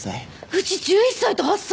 うち１１歳と８歳。